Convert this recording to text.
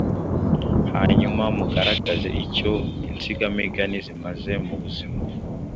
hanyuma mugaragaze icyo insigamigani zimaze mu buzima